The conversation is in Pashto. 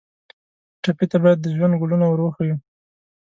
ټپي ته باید د ژوند ګلونه ور وښیو.